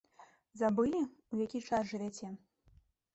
Забылі, у які час жывяце?